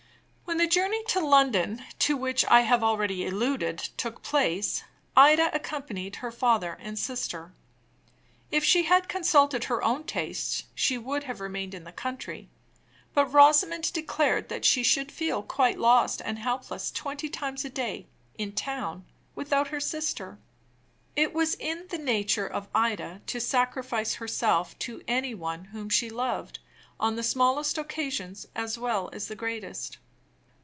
When the journey to London, to which I have already alluded, took place, Ida accompanied her father and sister. If she had consulted her own tastes, she would have remained in the country; but Rosamond declared that she should feel quite lost and helpless twenty times a day, in town, without her sister. It was in the nature of Ida to sacrifice herself to any one whom she loved, on the smallest occasions as well as the greatest.